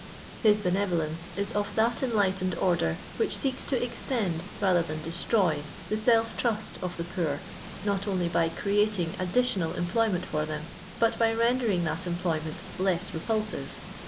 Hu benevolence is of that enlightened order which seeks to extend rather than destroy the self trust of the poor, not only by creating; additional em ployment for them, but by rendering that employ ment lesa repulsive.